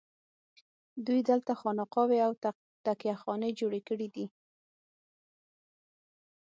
دوی دلته خانقاوې او تکیه خانې جوړې کړي دي.